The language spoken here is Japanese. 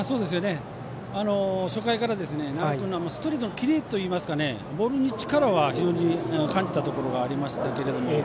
初回からストレートのキレといいますかボールに、力は非常に感じたところはありましたけども。